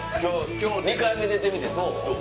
今日２回目出てみてどう？